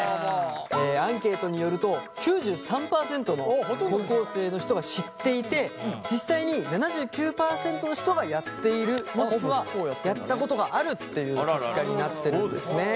アンケートによると９３％の高校生の人が知っていて実際に７９％の人がやっているもしくはやったことがあるっていう結果になってるんですね。